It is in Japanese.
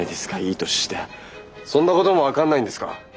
いい年してそんなことも分かんないんですか。